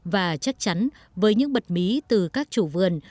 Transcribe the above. và chắc chắn với những bật mí từ các chủ vườn